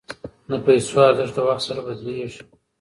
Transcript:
د پیسو ارزښت د وخت سره بدلیږي.